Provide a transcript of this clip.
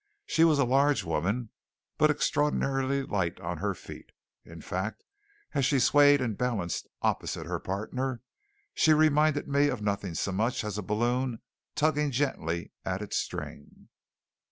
She was a large woman, but extraordinarily light on her feet. In fact, as she swayed and balanced opposite her partner she reminded me of nothing so much as a balloon tugging gently at its string.